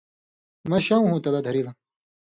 مہ شؤں ہُو تلہ دھرِل